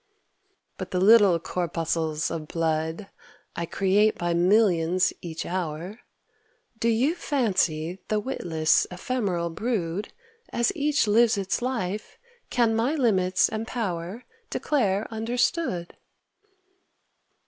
But the little corpuscles of blood I create by millions each hour, Do you fancy the witless ephemeral brood, As each lives its life, can my limits and power Declare understood?